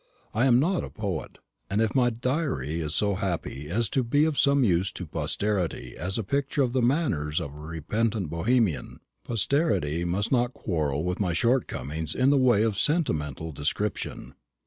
I am not a poet; and if my diary is so happy as to be of some use to posterity as a picture of the manners of a repentant Bohemian, posterity must not quarrel with my shortcomings in the way of sentimental description.